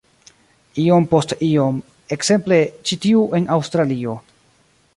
Iom post iom-- ekzemple, ĉi tiu en Aŭstralio.